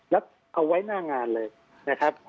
แล้วเอาไว้หน้างานเลย